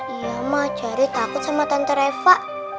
iya mak cari takut sama tante reva